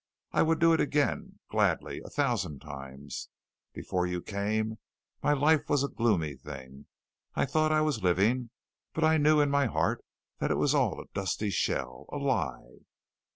I would do it again, gladly a thousand times. Before you came, my life was a gloomy thing. I thought I was living, but I knew in my heart that it was all a dusty shell a lie.